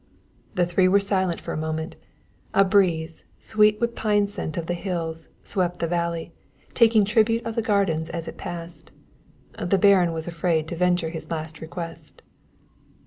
The three were silent for a moment. A breeze, sweet with pine scent of the hills, swept the valley, taking tribute of the gardens as it passed. The Baron was afraid to venture his last request.